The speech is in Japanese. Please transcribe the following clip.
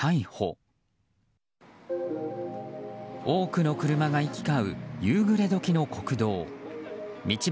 多くの車が行き交う夕暮れ時の国道。